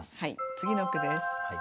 次の句です。